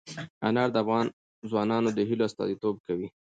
انار د افغان ځوانانو د هیلو استازیتوب کوي.